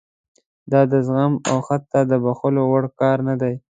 دا د زغم او حتی د بښلو وړ کار نه دی.